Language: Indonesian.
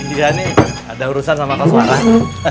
iya nih ada urusan sama kos marah